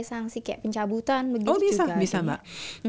sanksi kayak pencabutan oh bisa bisa mbak